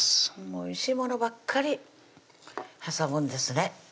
おいしいものばっかり挟むんですね